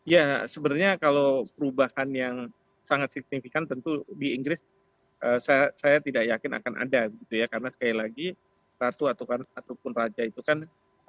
ya sebenarnya kalau perubahan yang sangat signifikan tentu di inggris saya tidak yakin akan ada gitu ya karena sekali lagi ratu ataupun raja itu kan